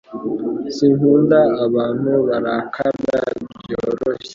Sinkunda abantu barakara byoroshye